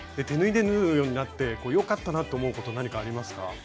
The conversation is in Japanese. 手縫いで縫うようになって良かったなって思うこと何かありますか？